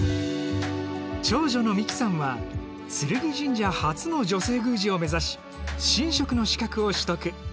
長女の美紀さんは劔神社初の女性宮司を目指し神職の資格を取得。